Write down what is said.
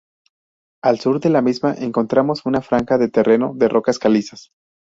Al sur de la misma encontramos una franja de terreno de rocas calizas.